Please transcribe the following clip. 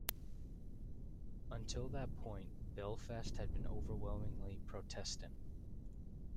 Until that point Belfast had been overwhelmingly Protestant.